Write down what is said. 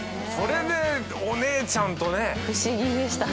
それでお姉ちゃんとね。